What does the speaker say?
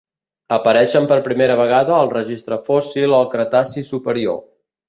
Apareixen per primera vegada al registre fòssil al Cretaci Superior.